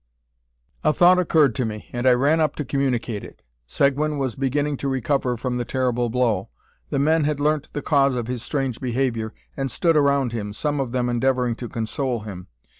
A thought occurred to me, and I ran up to communicate it. Seguin was beginning to recover from the terrible blow. The men had learnt the cause of his strange behaviour, and stood around him, some of them endeavouring to console him.